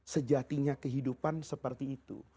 sejatinya kehidupan seperti itu